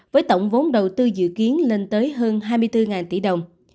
với tổng vốn đầu tư dự kiến lên tới hơn hai mươi bốn tỷ đồng